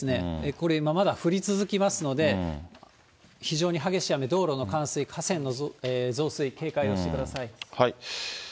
これもまだ降り続きますので、非常に激しい雨、道路の冠水、河川の増水、警戒をしてください。